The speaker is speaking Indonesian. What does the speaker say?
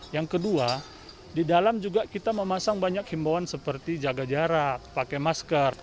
yang kedua di dalam juga kita memasang banyak himbauan seperti jaga jarak pakai masker